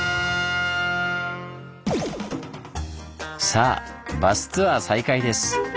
さあバスツアー再開です。